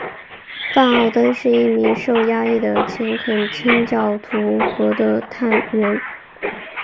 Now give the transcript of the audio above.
范奥登是一名受压抑的虔诚清教徒和的探员。